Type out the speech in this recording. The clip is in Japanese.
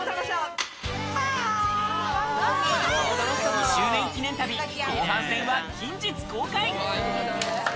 ２周年記念旅・後半戦は近日公開。